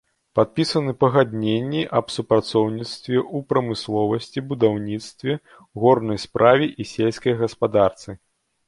Падпісаны пагадненні аб супрацоўніцтве ў прамысловасці, будаўніцтве, горнай справе і сельскай гаспадарцы.